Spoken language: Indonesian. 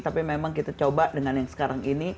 tapi memang kita coba dengan yang sekarang ini